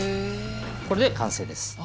これで完成です。